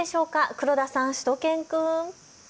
黒田さん、しゅと犬くん。